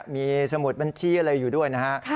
มีสมุดบัญชีอะไรอยู่ด้วยนะฮะ